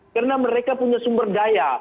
karena mereka punya sumber daya